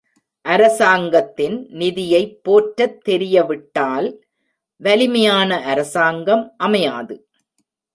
அரசாங்கத்தின் நிதியைப் போற்றத் தெரியவிட்டால் வலிமையான அரசாங்கம் அமையாது.